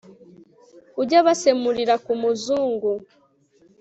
Ujya abasemurira ku Muzungu